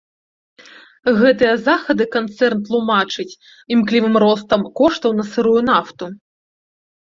Гэтыя захады канцэрн тлумачыць імклівым ростам коштаў на сырую нафту.